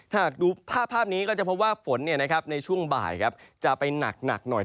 หากดูภาพนี้ก็จะพบว่าฝนในช่วงบ่ายจะไปหนักหน่อย